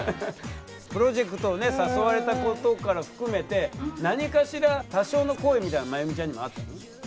プロジェクトね誘われたことから含めて何かしら多少の好意みたいなまゆみちゃんにもあったの？